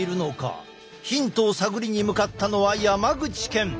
ヒントを探りに向かったのは山口県。